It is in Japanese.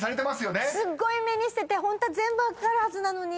すっごい目にしててホントは全部分かるはずなのに！